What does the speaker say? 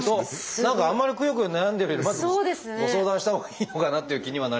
何かあんまりくよくよ悩んでるよりまずご相談したほうがいいのかなっていう気にはなりますが。